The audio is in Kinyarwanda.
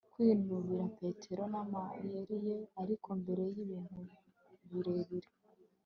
kwinubira petero n'amayeri ye, ariko mbere y'ibintu birebire